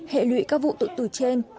hệ lụy các vụ tự tử trên